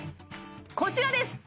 こちらです